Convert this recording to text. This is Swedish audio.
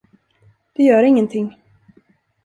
Det gör ingenting.